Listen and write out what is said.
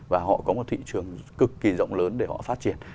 và họ có một thị trường cực kỳ rộng lớn để họ phát triển